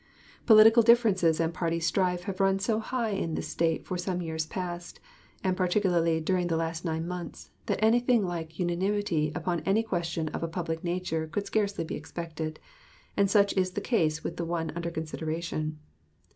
Political differences and party strife have run so high in this State for some years past, and particularly during the past nine months, that anything like unanimity upon any question of a public nature could scarcely be expected; and such is the case with the one under consideration.